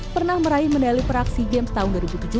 pernah meraih medali peraksi games tahun dua ribu tujuh belas